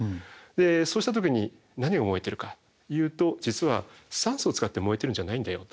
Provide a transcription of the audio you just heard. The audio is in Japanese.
そうした時に何が燃えてるかというと実は酸素を使って燃えてるんじゃないんだよと。